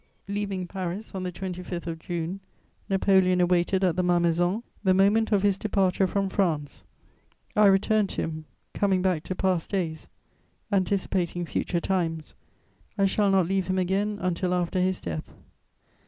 Leaving Paris on the 25th of June, Napoleon awaited at the Malmaison the moment of his departure from France. I return to him: coming back to past days, anticipating future times, I shall not leave him again until after his death.